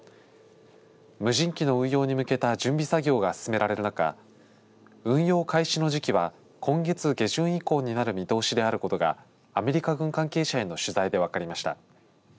無人機の運用に向けた準備作業が進められる中運用開始の時期は今月下旬以降になる見通しであることがアメリカ軍関係者への取材で分かりました。